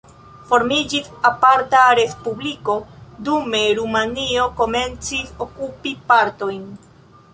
Formiĝis aparta respubliko, dume Rumanio komencis okupi partojn.